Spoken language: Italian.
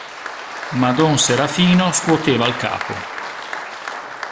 Ma don Serafino scuoteva il capo.